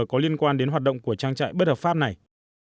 có liên quan đến hoạt động của trang trại bất hợp pháp này